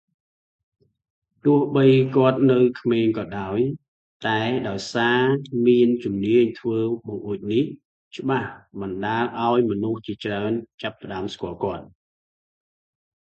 ទោះបីគាត់នៅក្មេងក៏ដោយ តែដោយសារមានជំនាញធ្វើអង្កួចនេះច្បាស់ បណ្តាលឱ្យមនុស្សជាច្រើនចាប់ផ្តើមស្គាល់គាត់។